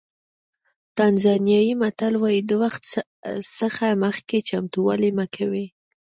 تانزانیایي متل وایي د وخت څخه مخکې چمتووالی مه کوئ.